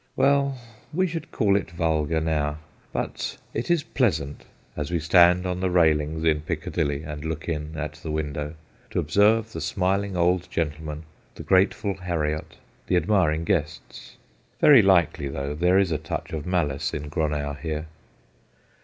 Well, we should call it vulgar now ; but it is pleasant (as we stand on the railings in Piccadilly and look in at the window) to observe the smiling old gentleman, the grateful Harriot, the admiring guests. Very likely, though, there is a touch of malice in Gronow here.